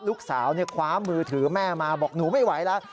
ลูกสาวคว้ามือถือแม่มาบอกหนูไม่ไหวแล้ว